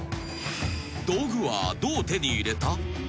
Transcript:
［「道具はどう手に入れた？」］